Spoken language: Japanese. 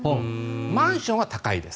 マンションは高いです。